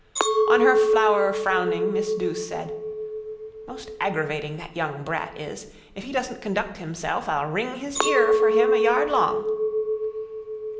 On her flower frowning miss Douce said: —Most aggravating that young brat is. If he doesn't conduct himself I'll wring his ear for him a yard long.